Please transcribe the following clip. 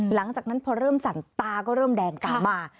หลังจากนั้นพอเริ่มสั่นตาก็เริ่มแดงกลับมา